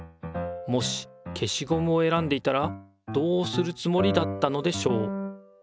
もし消しゴムを選んでいたらどうするつもりだったのでしょう？